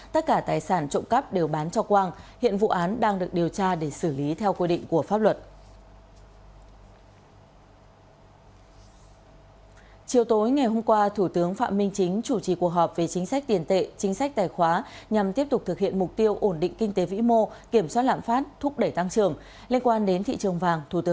tất cả tài sản trộm cắp đều bán cho quang hiện vụ án đang được điều tra để xử lý theo quy định của pháp luật